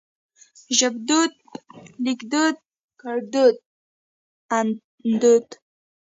ژبدود ليکدود ګړدود اندود